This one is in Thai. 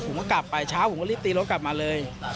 ผมก็กลับไปเช้าผมก็รีบตีรถกลับมาเลย